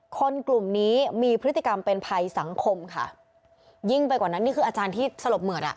คนกลุ่มนี้มีพฤติกรรมเป็นภัยสังคมค่ะยิ่งไปกว่านั้นนี่คืออาจารย์ที่สลบเหมือดอ่ะ